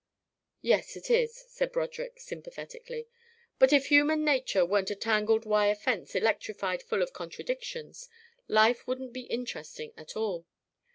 "Yes, it is," said Broderick sympathetically. "But if human nature weren't a tangled wire fence electrified full of contradictions, life wouldn't be interesting at all.